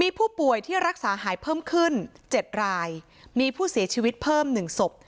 มีผู้ป่วยที่รักษาหายเพิ่มขึ้น๗รายมีผู้เสียชีวิตเพิ่ม๑ศพ